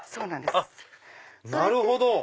なるほど！